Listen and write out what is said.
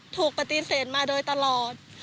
ถูกปฏิเสธมาโดยตลอด